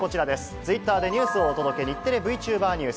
ツイッターでニュースをお届け、日テレＶチューバーニュース。